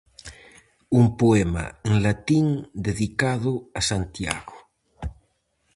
Un poema en latín dedicado a Santiago.